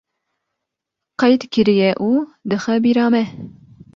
qeyd kiriye û dixe bîra me